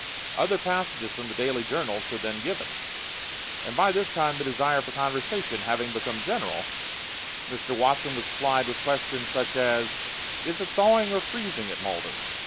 Other passages from the daily journals were then given, and by this time the desire for conversation having become general, Mr. Watson was plied with questions such as: "Is it thawing or freezing at Malden?